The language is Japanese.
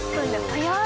早い！